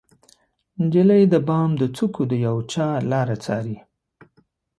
نجلۍ د بام د څوکو د یوچا لاره څارې